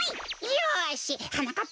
よしはなかっ